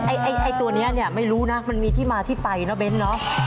ไอ้ตัวนี้ไม่รู้นะมันมีที่มาที่ไปน่ะเบนนะ